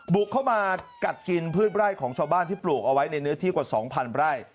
บุกเข้ามากัดกินพืชไร่ของชาวบ้านที่ปลูกเอาไว้ในเนื้อที่กว่า๒๐๐ไร่